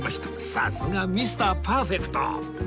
さすがミスターパーフェクト！